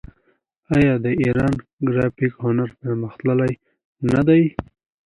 آیا د ایران ګرافیک هنر پرمختللی نه دی؟